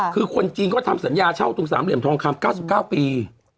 คือคนจีนก็ทำสัญญาเช่าตรงสามเหลี่ยมทองคำ๙๙ปี